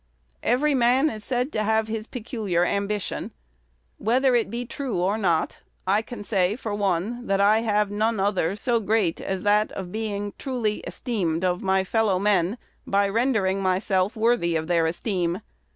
Every man is said to have his peculiar ambition. Whether it be true or not, I can say, for one, that I have no other so great as that of being truly esteemed of my fellow men, by rendering myself worthy of their esteem.